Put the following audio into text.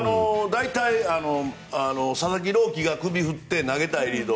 大体、佐々木朗希が首を振って投げたいリード。